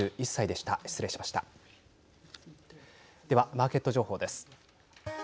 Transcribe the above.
では、マーケット情報です。